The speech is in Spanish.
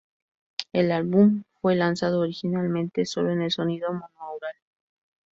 El álbum fue lanzado originalmente sólo en el sonido monoaural.